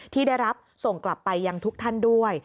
ที่ได้รับส่งกลับไปยังทุกท่านด้วย